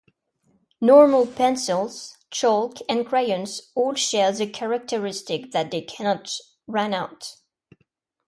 Normal pencils, chalk, and crayons all share the characteristic that they cannot "run out".